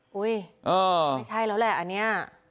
ไม่ใช่แล้วแหละอันนี้